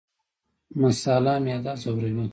مساله معده ځوروي